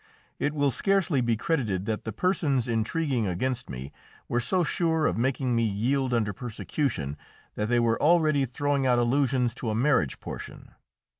It will scarcely be credited that the persons intriguing against me were so sure of making me yield under persecution that they were already throwing out allusions to a marriage portion.